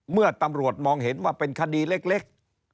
เมื่อตำรวจมองเห็นว่าเป็นคดีเล็ก